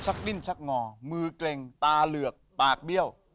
ดิ้นชักงอมือเกร็งตาเหลือกปากเบี้ยว